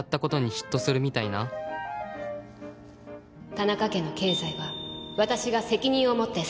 田中家の経済は私が責任を持って支えます。